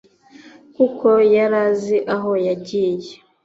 kuko yarazi aho yagiye